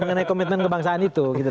mengenai komitmen kebangsaan itu gitu ya